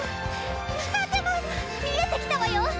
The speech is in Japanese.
見えてきたわよ！